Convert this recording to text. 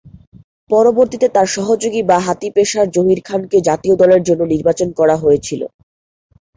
পরবর্তীতে তার সহযোগী বা-হাতি পেসার জহির খান কে জাতীয় দলের জন্য নির্বাচন করা হয়েছিল।